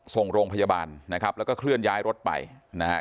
ส่งโรงพยาบาลนะครับแล้วก็เคลื่อนย้ายรถไปนะฮะ